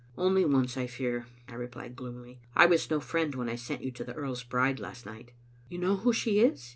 " "Only once, I fear," I replied gloomily. "I was no friend when I sent you to the earl's bride last night." "You know who she is?"